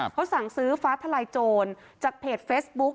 เขาสั่งซื้อฟ้าทลายโจรจากเพจเฟซบุ๊ก